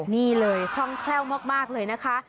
นี่เลยคล่องแคล่วมากเลยนะคะ